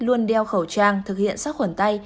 luôn đeo khẩu trang thực hiện sắc khuẩn tay